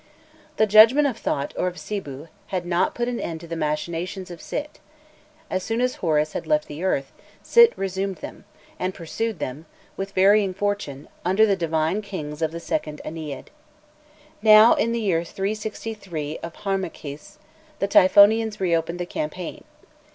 The judgment of Thot or of Sibû had not put an end to the machinations of Sît: as soon as Horus had left the earth, Sît resumed them, and pursued them, with varying fortune, under the divine kings of the second Ennead. Now, in the year 363 of Harmakhis, the Typhonians reopened the campaign.